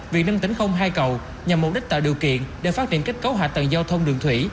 việc nâng tỉnh không hai cầu nhằm mục đích tạo điều kiện để phát triển kết cấu hạ tầng giao thông đường thủy